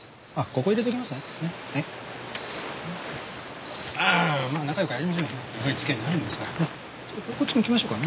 こっち向きましょうかね。